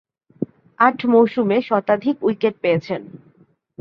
আট মৌসুমে শতাধিক উইকেট পেয়েছেন।